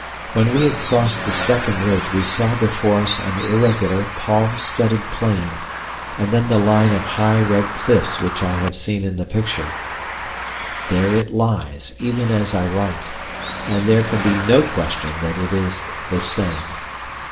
When we had crossed the second ridge we saw before us an irregular, palm studded plain, and then the line of high red cliffs which I have seen in the picture. There it lies, even as I write, and there can be no question that it is the same.